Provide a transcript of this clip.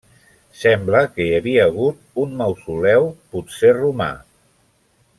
Sembla que hi havia hagut un mausoleu, potser romà.